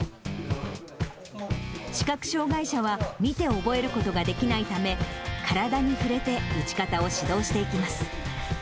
視覚障がい者は見て覚えることができないため、体に触れて、打ち方を指導していきます。